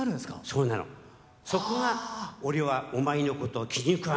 そこが俺はお前のことを気に食わないと。